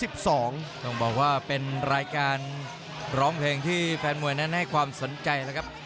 ต้องบอกว่าเป็นรายการร้องเพลงที่แฟนมวยนั้นให้ความสนใจแล้วครับ